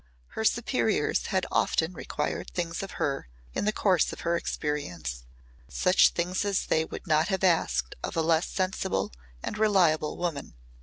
Her superiors had often required things of her in the course of her experience such things as they would not have asked of a less sensible and reliable woman.